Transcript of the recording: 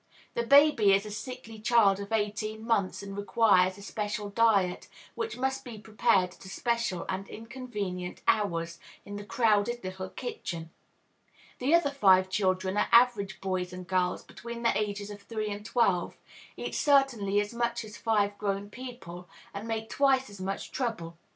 The baby is a sickly child of eighteen months, and requires especial diet, which must be prepared at especial and inconvenient hours, in the crowded little kitchen. The other five children are average boys and girls, between the ages of three and twelve, eat certainly as much as five grown people, and make twice as much trouble.